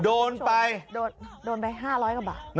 โดนไปโดนไป๕๐๐กว่าบาท